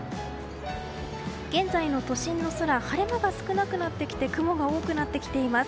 現在の都心の空晴れ間が少なくなってきて雲が多くなってきています。